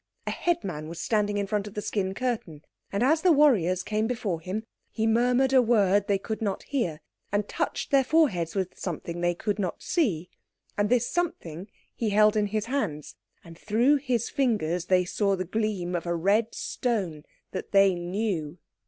A headman was standing in front of the skin curtain, and as the warriors came before him he murmured a word they could not hear, and touched their foreheads with something that they could not see. And this something he held in his hands. And through his fingers they saw the gleam of a red stone that they knew.